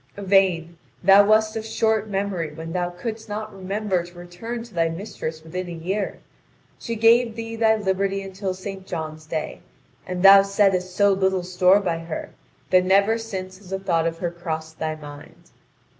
Yvain, thou wast of short memory when thou couldst not remember to return to thy mistress within a year. She gave thee thy liberty until St. John's day, and thou settest so little store by her that never since has a thought of her crossed thy mind.